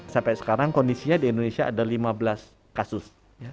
sampai sekarang kondisinya di indonesia ada lima belas kasus